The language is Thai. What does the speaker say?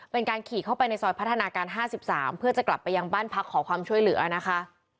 เป็นการขี่เข้าไปในซอยพัฒนาการ๕๓เพื่อจะกลับไปยังบ้านพักขอความช่วยเหลือนะคะ